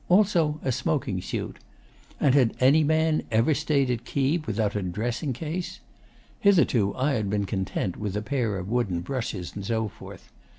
Also a smoking suit. And had any man ever stayed at Keeb without a dressing case? Hitherto I had been content with a pair of wooden brushes, and so forth.